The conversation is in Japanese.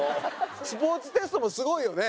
スポーツテストもすごいよね。